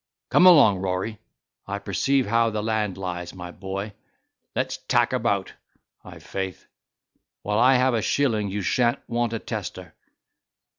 Come along, Rory, I perceive how the land lies, my boy—let's tack about, i'faith—while I have a shilling you shan't want a tester.